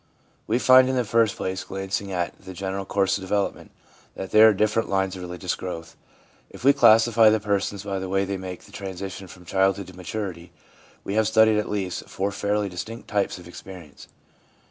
We find, in the first place, glancing at the general course of development, that there are different lines of religious growth. If we classify the persons by the way they make the transition from childhood to maturity, we have studied at least four fairly distinct types of experience.